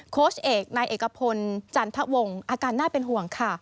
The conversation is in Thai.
โค้ชเอกนายเอกพลจันทวงอาการน่าเป็นห่วงค่ะ